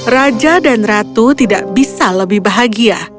raja dan ratu tidak bisa lebih bahagia